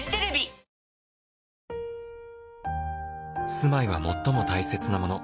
「住まいは最も大切なもの」